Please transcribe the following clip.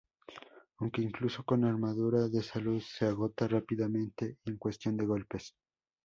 Aunque incluso con armadura de salud se agota rápidamente y en cuestión de golpes.